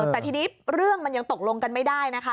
แต่ทีนี้เรื่องมันยังตกลงกันไม่ได้นะคะ